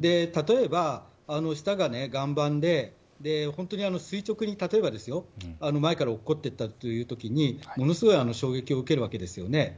例えば、下が岩盤で本当に垂直に前から落ちていったとなるとものすごい衝撃を受けるわけですよね。